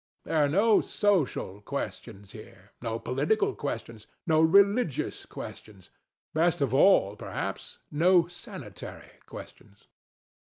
There are no social questions here, no political questions, no religious questions, best of all, perhaps, no sanitary questions.